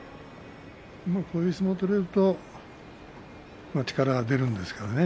こういう相撲を取れると力が出ますよね。